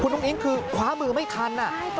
คุณอู๊งอิ๊งคือขวามือไม่ทัน